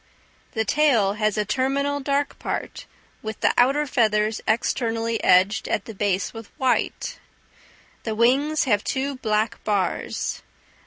The tail has a terminal dark bar, with the outer feathers externally edged at the base with white. The wings have two black bars.